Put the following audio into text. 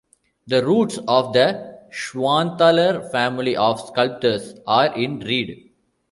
The roots of the Schwanthaler family of sculptors are in Ried.